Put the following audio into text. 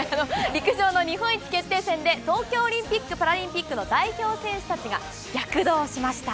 陸上の日本一決定戦で東京オリンピック・パラリンピックの代表選手たちが躍動しました。